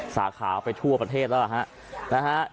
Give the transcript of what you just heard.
สาขาไปทั่วประเทศแล้วล่ะฮะนะฮะ